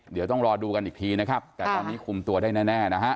เดี๋ยวต้องรอดูกันอีกทีนะครับแต่ตอนนี้คุมตัวได้แน่นะฮะ